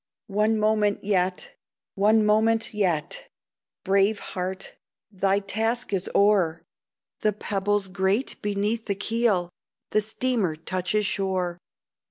One moment yet! one moment yet! Brave heart, thy task is o'er, The pebbles grate beneath the keel. The steamer touches shore.